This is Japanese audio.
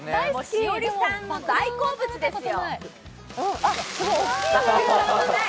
栞里さんの大好物ですよ。